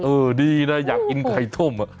ดีนะอยากกินไข่ต้ม